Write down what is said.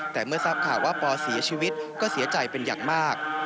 แต่เมื่อทราบข่าวว่าปอเสียชีวิตก็เสียใจเป็นอย่างมาก